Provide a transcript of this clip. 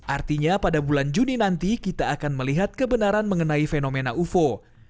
artinya pada bulan juni nanti kita akan melihat kebenaran mengenai fenomena ufo